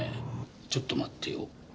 ちょっと待ってよ